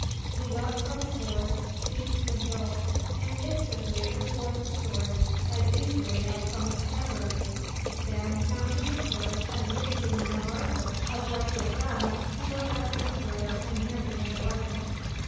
He leapt from his horse, seized the hilt, and instantly drew forth the sword as easily as from a scabbard; then, mounting his horse and thinking no marvel of what he had done, he rode after his brother and handed him the weapon.